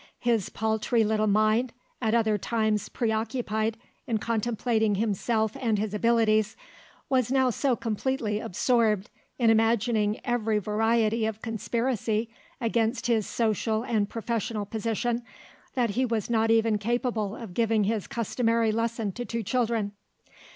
His paltry little mind, at other times preoccupied in contemplating himself and his abilities, was now so completely absorbed in imagining every variety of conspiracy against his social and professional position, that he was not even capable of giving his customary lesson to two children.